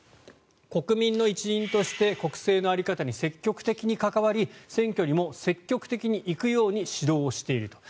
国民の一員として国政の在り方に積極的に関わり選挙にも積極的に行くように指導していると。